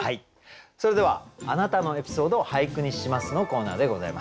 それでは「あなたのエピソード、俳句にします」のコーナーでございます。